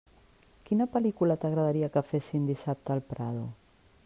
Quina pel·lícula t'agradaria que fessin dissabte al Prado?